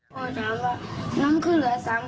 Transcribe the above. ตีหลายครั้ง